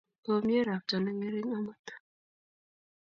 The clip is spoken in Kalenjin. Komie roptane ngering amut